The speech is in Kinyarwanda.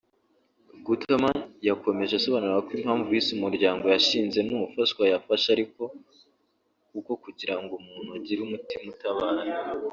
Gutterman yakomeje asobanura ko impamvu yise umuryango yashinze Nufashwa yafasha ariko uko kugira ngo umuntu agire umutima utabara